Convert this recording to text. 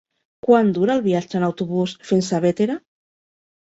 Quant dura el viatge en autobús fins a Bétera?